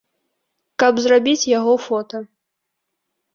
Каб зрабіць яго фота.